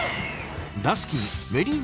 ダスキンメリー